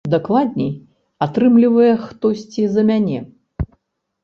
Дакладней, атрымлівае хтосьці за мяне.